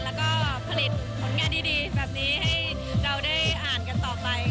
แล้วก็ผลิตผลงานดีแบบนี้ให้เราได้อ่านกันต่อไป